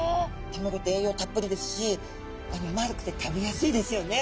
卵って栄養たっぷりですし丸くて食べやすいですよね。